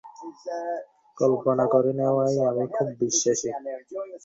কল্পনা করে নেওয়ায় আমি খুব বিশ্বাসী।